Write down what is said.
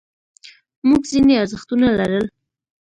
موږ ځینې ارزښتونه لرل.